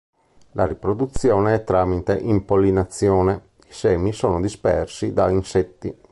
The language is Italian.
La riproduzione è tramite impollinazione; i semi sono dispersi da insetti.